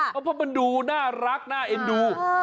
เพราะมันดูน่ารักน่าเอ็นดู